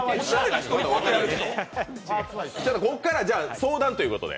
じゃあここから相談ということで。